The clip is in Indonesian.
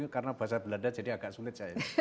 karena bahasa belanda jadi agak sulit